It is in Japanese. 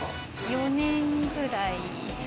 ４年くらい。